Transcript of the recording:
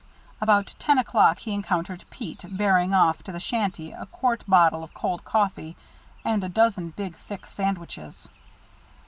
About ten o'clock he encountered Pete, bearing off to the shanty a quart bottle of cold coffee and a dozen big, thick sandwiches.